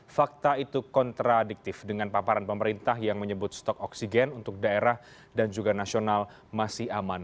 fakta itu kontradiktif dengan paparan pemerintah yang menyebut stok oksigen untuk daerah dan juga nasional masih aman